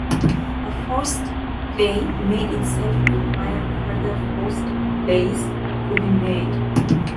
A forced play may itself require further forced plays to be made.